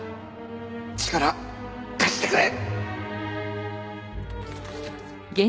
力貸してくれ！